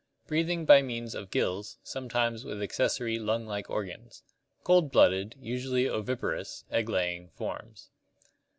Breathing by means of gills, sometimes with accessory lung like organs. Cold blooded, usually oviparous (egg laying) forms.